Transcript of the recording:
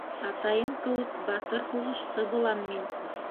Атайым кеүек батыр һуғышсы булам мин.